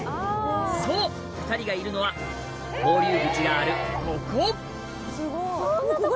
そう２人がいるのは放流口があるここ！